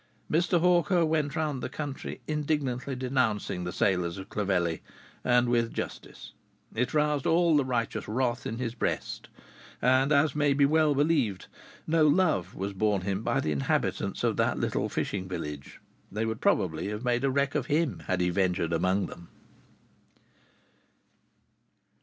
Mr. Hawker went round the country indignantly denouncing the sailors of Clovelly, and with justice. It roused all the righteous wrath in his breast. And as may well be believed, no love was borne him by the inhabitants of that little fishing village. They would probably have made a wreck of him had he ventured among them.